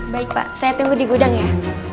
baik pak saya tunggu di gudang ya